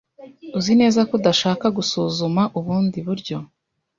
Uzi neza ko udashaka gusuzuma ubundi buryo?